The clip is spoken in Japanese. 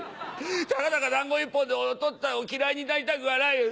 たかだか団子１本でおとっつぁんを嫌いになりたくはない。